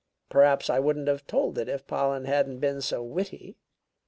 Perhaps I wouldn't have told it if Pollen hadn't been so witty."